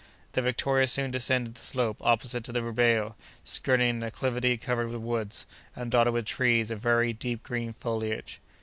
The Victoria soon descended the slope opposite to the Rubeho, skirting an acclivity covered with woods, and dotted with trees of very deep green foliage.